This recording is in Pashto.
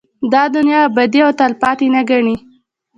دا دنيا ابدي او تلپاتې نه گڼي